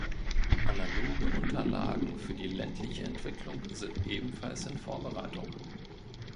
Analoge Unterlagen für die ländliche Entwicklung sind ebenfalls in Vorbereitung.